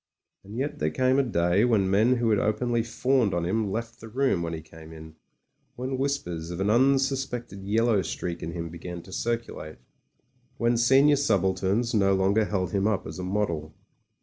And yet there came a day when men who had openly fawned on him left the room when he came in, when whispers of an unsuspected yellow streak in him began to circulate, when senior subalterns no longer held him up as a model.